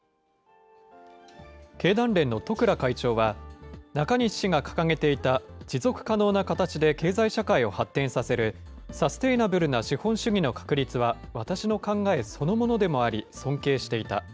経団連の十倉会長は、中西氏が掲げていた持続可能な形で経済社会を発展させるサステイナブルな資本主義の確立は私の考えそのものでもあり、尊敬していた。